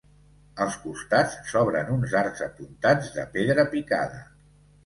Als costats, s'obren uns arcs apuntats de pedra picada.